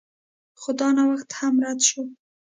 خو دا نوښت هم رد شو.